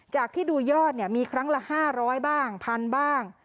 จากที่ดูยอดเนี่ยมีครั้งละ๕๐๐บ้าง๑๐๐๐บ้าง